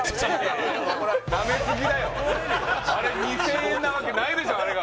あれ２０００円なわけないでしょ